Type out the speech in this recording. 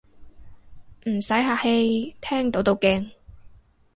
唔使客氣，聽到都驚